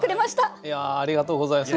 ありがとうございます。